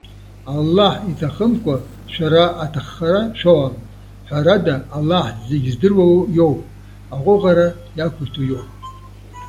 Аллаҳ иҭахымкәа шәара аҭаххара шәоуам. Ҳәарада, Аллаҳ зегьы здыруа иоуп, аҟәыӷара иақәиҭу иоуп.